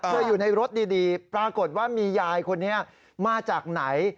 อยู่ในรถดีปรากฏว่ามียายคนนี้มาจากไหน